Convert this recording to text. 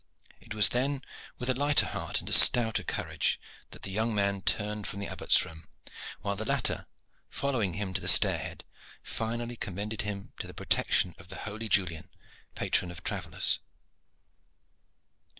It was then with a lighter heart and a stouter courage that the young man turned from the Abbot's room, while the latter, following him to the stair head, finally commended him to the protection of the holy Julian, patron of travellers.